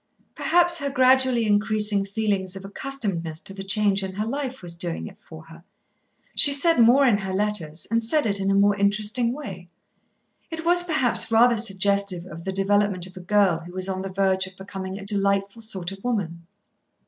Perhaps her gradually increasing feeling of accustomedness to the change in her life was doing it for her. She said more in her letters, and said it in a more interesting way. It was perhaps rather suggestive of the development of a girl who was on the verge of becoming a delightful sort of woman.